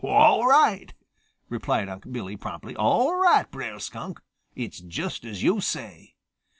"All right," replied Unc' Billy promptly. "All right, Brer Skunk. It's just as yo' say."